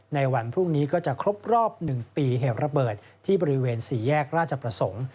ในวันพรุ่งนี้ก็จะครบรอบ๑ปีเหตุระเบิดที่บริเวณ๔แยกราชประสงค์